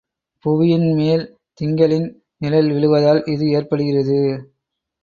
புவியின் மேல் திங்களின் நிழல் விழுவதால் இது ஏற்படுகிறது.